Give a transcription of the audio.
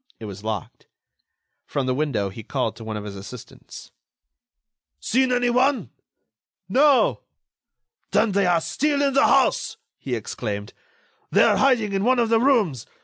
It was locked. From the window he called to one of his assistants: "Seen anyone?" "No." "Then they are still in the house!" he exclaimed. "They are hiding in one of the rooms!